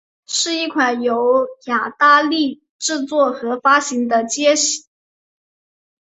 是一款由雅达利制作和发行的街机游戏。